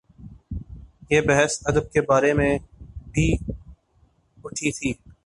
یہ بحث ادب کے بارے میں بھی اٹھی تھی۔